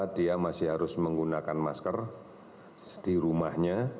dia masih harus menggunakan masker di rumahnya